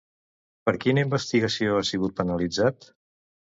Per quina investigació ha sigut penalitzat?